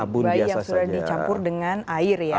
bayi yang sudah dicampur dengan air ya